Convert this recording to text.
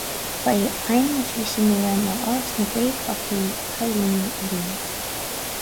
Ba é aidhm na físe nua ná áit na bréagshochaí coilíní a líonadh